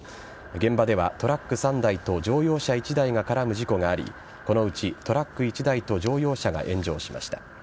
現場ではトラック３台と乗用車１台が絡む事故がありこのうち、トラック１台と乗用車が炎上しました。